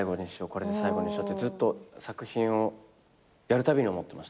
これで最後にしようってずっと作品をやるたびに思ってました。